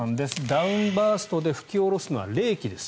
ダウンバーストで吹き下ろすのは冷気です。